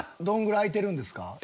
どんぐらい空いてるんですか？